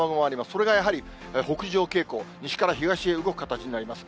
それがやはり北上傾向、西から東へ動く形になります。